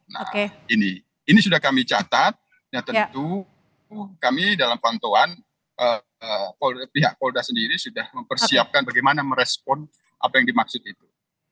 nah ini ini sudah kami catat ya tentu kami dalam pantauan pihak polda sendiri sudah mempersiapkan bagaimana merespon apa yang dimaksud itu